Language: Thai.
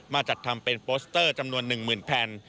จัดทำเป็นโปสเตอร์จำนวน๑๐๐๐แผ่น